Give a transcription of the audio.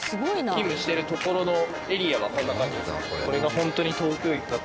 勤務してる所のエリアはこんな感じ。